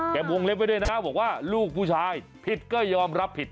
วงเล็บไว้ด้วยนะบอกว่าลูกผู้ชายผิดก็ยอมรับผิด